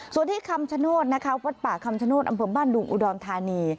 ส่วนที่คำชโนธนะคะวัดป่าคำชโนธอำเภอบ้านดุงอุดรธานี